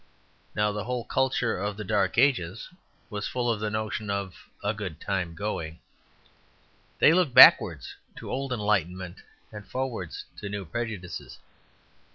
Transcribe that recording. Now the whole culture of the Dark Ages was full of the notion of "A Good Time Going." They looked backwards to old enlightenment and forwards to new prejudices.